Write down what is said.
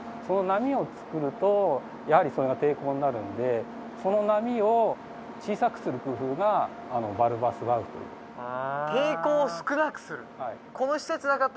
その波を作るとやはりそれが抵抗になるんでその波を小さくする工夫がバルバス・バウというへ抵抗を少なくするそういうことですよね